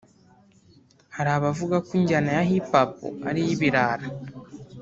Hari abavuga ko injyana ya Hiphop ari iy’ibirara